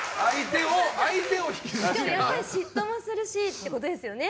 嫉妬もするしってことですよね。